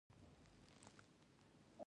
پښتون هیڅکله چا ته سر نه ټیټوي.